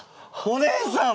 お姉さん！